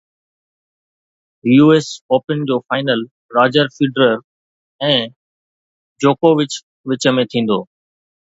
U S Open جو final Roger Federer ۽ جوڪووچ وچ ۾ ٿيندو